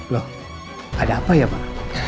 loh ada apa ya pak